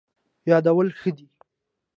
یادول ښه دی.